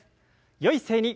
よい姿勢に。